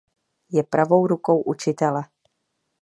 Je pravou rukou učitele.